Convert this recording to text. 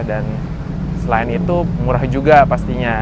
dan selain itu murah juga pastinya